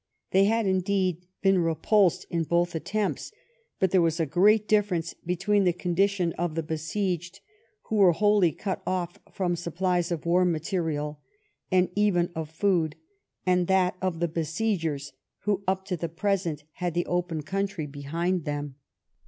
They had, indeed, been repulsed in both attempts, but there was a great difference between the conditions of the .besieged, who were wholly cut off from supplies of war material and even of food, and that of the besiegers, who up to the present had the open country behind them.